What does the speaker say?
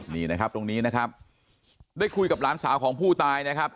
นี่นะครับตรงนี้นะครับได้คุยกับหลานสาวของผู้ตายนะครับ